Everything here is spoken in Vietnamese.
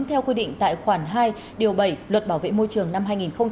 theo quy định tại khoản hai điều bảy luật bảo vệ môi trường năm hai nghìn một mươi bốn